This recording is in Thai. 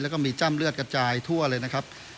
แล้วก็มีจ้ำเลือดกระจายทั่วเลยนะครับ